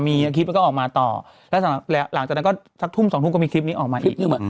มีคลิปแล้วก็ออกมาต่อแล้วหลังจากนั้นก็สักทุ่มสองทุ่มก็มีคลิปนี้ออกมาอีกเรื่อง